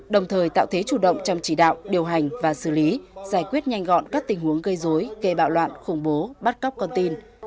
đồng thời tạo thế chủ động trong chỉ đạo điều hành và xử lý giải quyết nhanh gọn các tình huống gây dối gây bạo loạn khủng bố bắt cóc con tin